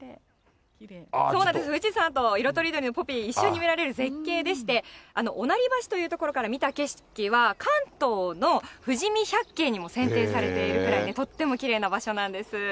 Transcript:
富士山と色とりどりのポピー、一緒に見られる絶景でして、御成橋という所から見た景色は、関東の富士見百景にも選定されているくらい、とってもきれいな場所なんです。